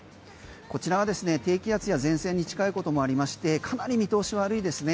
こちらは低気圧や前線に近いこともありましてかなり見通し悪いですね。